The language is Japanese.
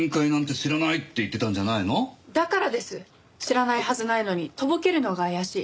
知らないはずないのにとぼけるのが怪しい。